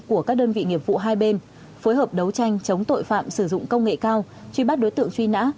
của các đơn vị nghiệp vụ hai bên phối hợp đấu tranh chống tội phạm sử dụng công nghệ cao truy bắt đối tượng truy nã